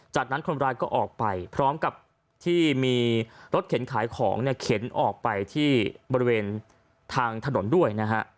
จากนั้นคนร้ายก็ออกไปพร้อมกับที่มีรถเข็นขายของเนี่ยเข็นออกไปที่บริเวณทางถนนด้วยนะฮะ